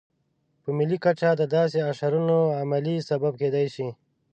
په ملي کچه د داسې اشرونو عملي سبب کېدای شي.